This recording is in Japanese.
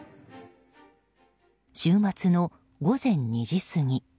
週末の午前２時過ぎ。